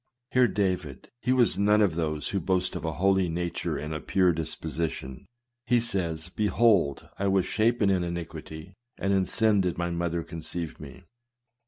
Hear David : he was none of those who boast of a holy nature and a pure disposition. He says, " Behold, I was shapen in iniquity; and in sin did my mother conceive me."